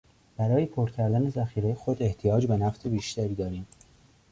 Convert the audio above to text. برای پر کردن ذخیرهی خود احتیاج به نفت بیشتر داریم.